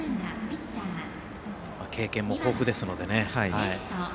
経験も豊富ですのでね。